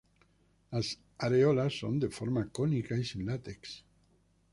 Las areolas son de forma cónica y sin látex.